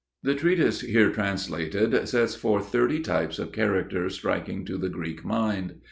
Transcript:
The treatise here translated (ἠθικοὶ χαρακτῆρες) sets forth thirty types of character striking to the Greek mind.